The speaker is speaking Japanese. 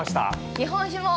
◆日本酒も。